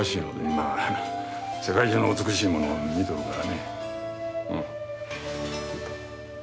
まあ世界中の美しいものを見とるからね。